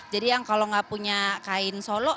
jadi yang kalau gak punya kain solo